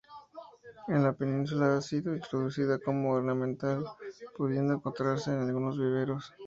En la Península ha sido introducida como ornamental, pudiendo encontrarse en algunos viveros.